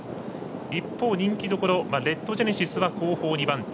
一方、人気どころレッドジェネシスは後方２番手。